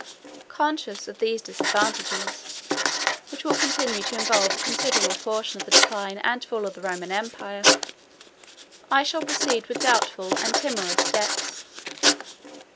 Conscious of these disadvantages, which will continue to involve a considerable portion of the decline and fall of the Roman empire, I shall proceed with doubtful and timorous steps.